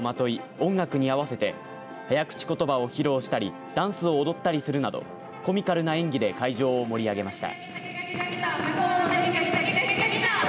音楽に合わせて早口ことばを披露したりダンスを踊ったりするなどコミカルな演技で会場を盛り上げました。